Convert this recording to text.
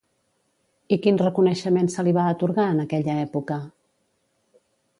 I quin reconeixement se li va atorgar en aquella època?